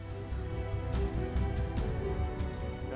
yang kita lihat adalah di indonesia